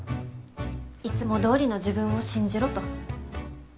いつもどおりの自分を信じろと。